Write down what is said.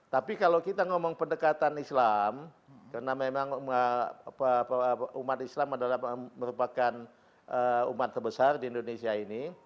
tapi kalau kita ngomong pendekatan islam karena memang umat islam merupakan umat terbesar di indonesia ini